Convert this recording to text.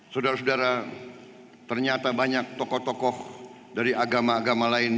saudara saudara ternyata banyak tokoh tokoh dari agama agama lain